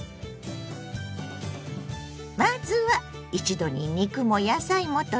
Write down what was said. まずは一度に肉も野菜もとれる！